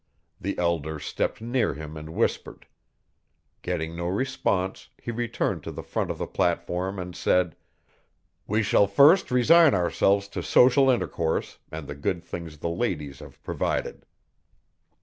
The elder stepped near him and whispered. Getting no response, he returned to the front of the platform and said: 'We shall first resign ourselves to social intercourse and the good things the ladies have provided.'